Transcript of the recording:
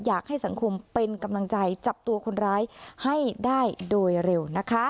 อยากให้สังคมเป็นกำลังใจจับตัวคนร้ายให้ได้โดยเร็วนะคะ